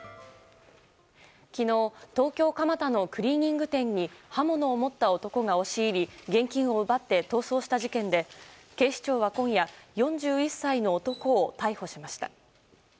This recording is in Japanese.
昨日東京・蒲田のクリーニング店に刃物を持った男が押し入り現金を奪って逃走した事件で警視庁は今夜４１歳の男を逮捕しました。